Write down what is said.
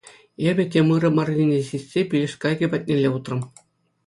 Эпӗ тем ырӑ маррине сиссе пилеш кайӑкӗ патнелле утрӑм.